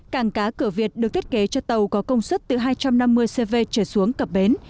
cảng cá cửa việt được thiết kế cho tàu có công suất từ hai trăm năm mươi cv trở xuống cập bến